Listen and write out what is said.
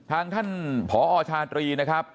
ทางท่านผอชาตรีนะครับ